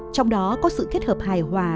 trong đó có sự kết hợp hài hòa